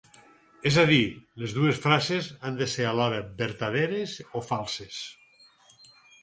És a dir, les dues frases han de ser alhora vertaderes o falses.